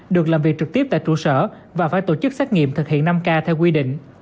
được làm việc trực tiếp tại trụ sở và phải tổ chức xét nghiệm thực hiện năm k theo quy định